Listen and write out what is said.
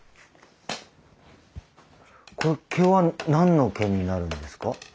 これ毛は何の毛になるんですか？